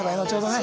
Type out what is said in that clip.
ね